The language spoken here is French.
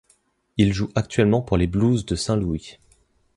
Il joue actuellement pour les Blues de Saint-Louis.